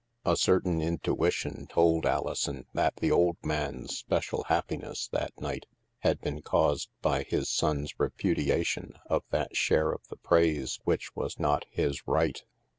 A certain intuition told Alison that the old man's special happiness, that night, had been caused by his son's repudiation of that share of the praise which was not his right.